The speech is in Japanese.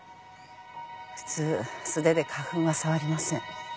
普通素手で花粉は触りません。